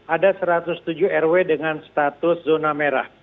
ada satu ratus tujuh rw dengan status zona merah